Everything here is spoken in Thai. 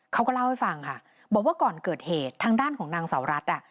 เขาก็เล่าให้ฟังค่ะบอกว่าก่อนเกิดเหตุทางด้านของนางเสารัฐอ่ะ